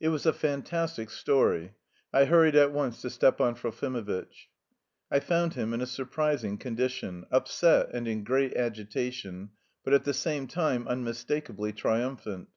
It was a fantastic story. I hurried at once to Stepan Trofimovitch. I found him in a surprising condition: upset and in great agitation, but at the same time unmistakably triumphant.